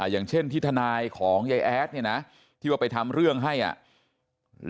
อย่างเช่นที่ทนายของยายแอดเนี่ยนะที่ว่าไปทำเรื่องให้อ่ะ